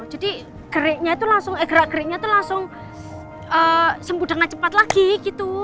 jadi gerak geriknya tuh langsung sembudangan cepat lagi gitu